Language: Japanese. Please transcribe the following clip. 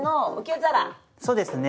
そうですね。